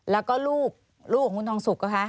แล้วก็ลูกของคุณทองสุกนะคะ